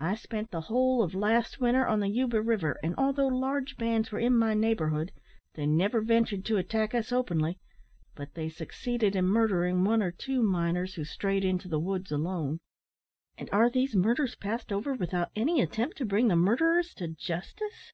I spent the whole of last winter on the Yuba River; and, although large bands were in my neighbourhood, they never ventured to attack us openly, but they succeeded in murdering one or two miners who strayed into the woods alone." "And are these murders passed over without any attempt to bring the murderers to justice?"